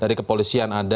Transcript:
dari kepolisian ada